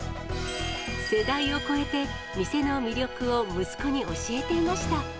世代を超えて、店の魅力を息子に教えていました。